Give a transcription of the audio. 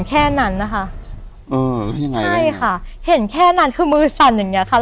แค่ให้นั้นค่ะ